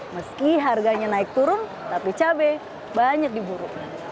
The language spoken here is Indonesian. meski harganya naik turun tapi cabai banyak diburu